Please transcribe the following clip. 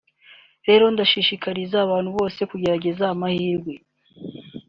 Rero ndashishikariza abantu bose kugerageza amahirwe